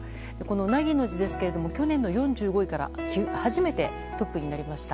「凪」の字ですが去年の４５位から初めてトップになりました。